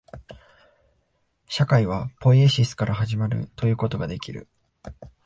社会はポイエシスから始まるということができる。